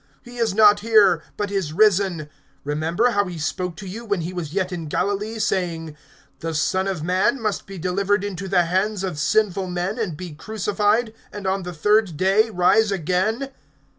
(6)He is not here, but is risen. Remember how he spoke to you when he was yet in Galilee, (7)saying: The Son of man must be delivered into the hands of sinful men, and be crucified, and on the third day rise again.